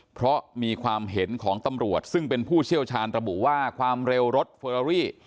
เพราะมีความเห็นของตำรวจซึ่งเป็นผู้เชี่ยวชาญระบุว่าความเร็วรถเฟอรารี่